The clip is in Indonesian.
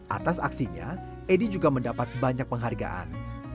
atas aksinya edi juga mendapat banyak penghargaan